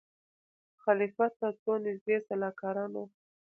خلیفه ته څو نیژدې سلاکارانو